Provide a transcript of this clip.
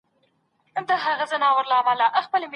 په لاس لیکل د ډله ایزو کارونو په پرمختګ کي مرسته کوي.